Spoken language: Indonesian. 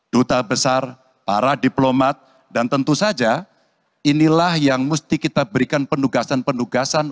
duta besar para diplomat dan tentu saja inilah yang mesti kita berikan penugasan penugasan